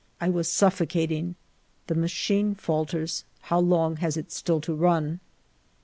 I was suffocating. The machine falters; how long has it still to run